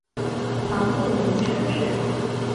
条目名称是